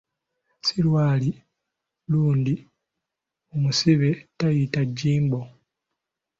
Sserwali lundi omusibe tayita jjimbo.